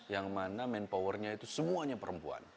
yang mana main powernya itu semuanya perempuan